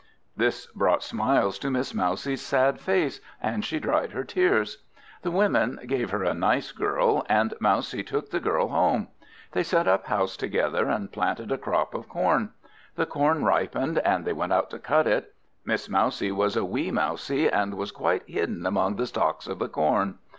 This brought smiles to Miss Mousie's sad face, and she dried her tears. The women gave her a nice Girl, and Mousie took the Girl home. They set up house together, and planted a crop of corn. The corn ripened, and they went out to cut it. Miss Mouse was a wee mousie, and was quite hidden among the stalks of the corn.